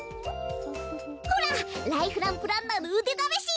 ほらライフランプランナーのうでだめし！